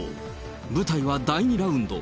舞台は第２ラウンド。